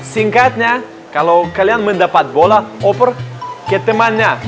singkatnya kalau kalian mendapat bola over ke temannya